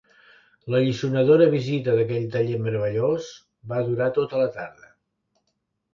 L'alliçonadora visita d'aquell taller meravellós va durar tota la tarda.